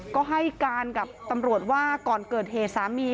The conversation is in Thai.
ก็ให้การกับตำรวจว่าก่อนเกิดเหตุสามี